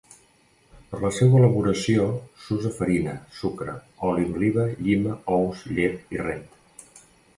Per a la seua elaboració s'usa farina, sucre, oli d'oliva, llima, ous, llet i rent.